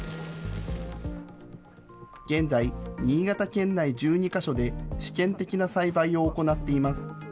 現在、新潟県内１２か所で試験的な栽培を行っています。